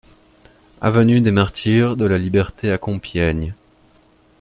Avenue des Martyrs de la Liberté à Compiègne